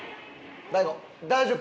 大悟大丈夫。